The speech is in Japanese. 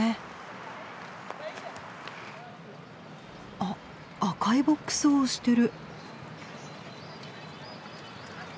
あっ赤いボックスを押してる。